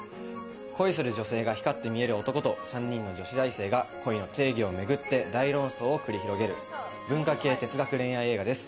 恋する女性が光って見える男と３人の女子大生が恋の定義をめぐって大論争を繰り広げる文化系、哲学恋愛映画です。